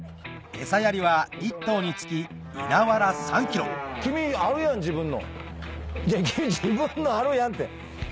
餌やりは一頭につき稲わら３ｋｇ君あるやん自分の自分のあるやんって。